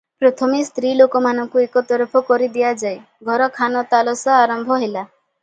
ପ୍ରଥମେ ସ୍ତ୍ରୀ ଲୋକମାନଙ୍କୁ ଏକ ତରଫ କରିଦିଆଯାଇ ଘର ଖାନତଲାସ ଆରମ୍ଭ ହେଲା ।